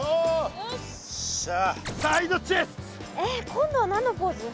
今度は何のポーズ？